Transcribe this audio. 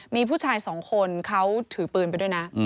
มีผู้ชายสองคนเขาถือปืนไปด้วยนะ